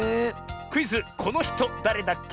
クイズ「このひとだれだっけ？」